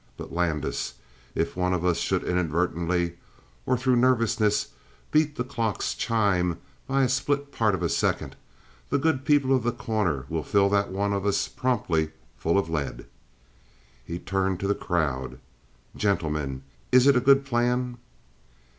But, Landis, if one of us should inadvertently or through nervousness beat the clock's chime by the split part of a second, the good people of The Corner will fill that one of us promptly full of lead." He turned to the crowd. "Gentlemen, is it a good plan?"